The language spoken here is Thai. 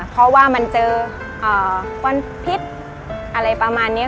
เพราะว่ามันเจอควันพิษอะไรประมาณนี้